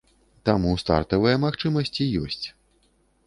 Таму стартавыя магчымасці ёсць.